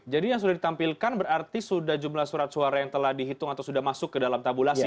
jadi yang sudah ditampilkan berarti sudah jumlah surat suara yang telah dihitung atau sudah masuk ke dalam tabulasi